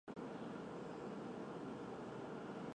邓莫尔勋爵依旧竭力试图夺回对殖民地的控制权。